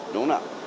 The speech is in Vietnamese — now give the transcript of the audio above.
đúng không ạ